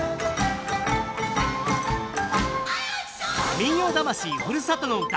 「民謡魂ふるさとの唄」。